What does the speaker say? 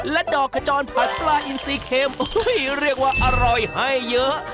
และดอกขจรผัดปลาอินซีเค็มเรียกว่าอร่อยให้เยอะ